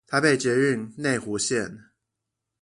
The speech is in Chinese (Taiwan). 台北捷運內湖線